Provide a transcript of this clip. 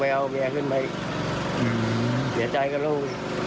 โดยบริหารร้ายกับรู้